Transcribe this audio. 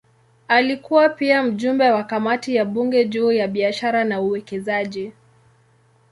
Alikuwa pia mjumbe wa kamati ya bunge juu ya biashara na uwekezaji.